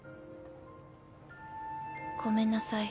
ごめんなさい。